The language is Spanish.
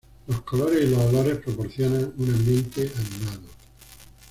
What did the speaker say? Los colores y los olores proporcionan un ambiente animado.